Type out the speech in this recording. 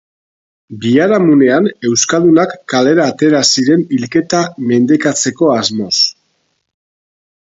Biharamunean, euskaldunak kalera atera ziren hilketa mendekatzeko asmoz.